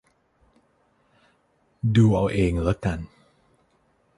ดูเอาเองละกัน